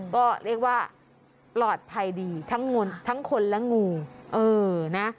ก็เรียกว่าปลอดภัยดีทั้งคนและงูเออนะ